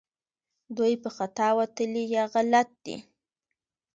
دوی په خطا وتلي یا غلط دي